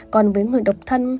còn với người độc thân